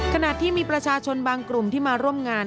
ขณะที่มีประชาชนบางกลุ่มที่มาร่วมงาน